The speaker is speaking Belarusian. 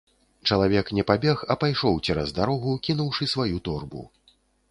Чалавек не пабег, а пайшоў цераз дарогу, кінуўшы сваю торбу.